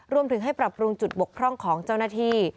รวมถึงให้ปรับปรุงจุดบกพร่องของเจ้าหน้าที่